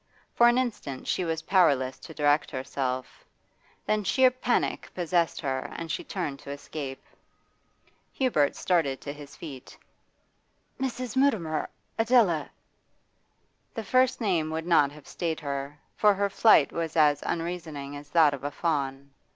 For an instant she was powerless to direct herself; then sheer panic possessed her and she turned to escape. Hubert started to his feet. 'Mrs. Mutimer! Adela!' The first name would not have stayed her, for her flight was as unreasoning as that of a fawn.